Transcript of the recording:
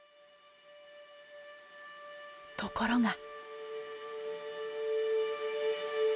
ところが。